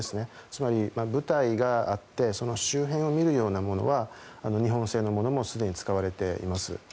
つまり、部隊があってその周辺を見るようなものは日本製のものもすでに使われています。